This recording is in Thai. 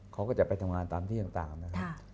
เขาก็จะไปทำงานตามที่ต่างนะครับ